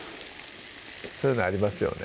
そういうのありますよね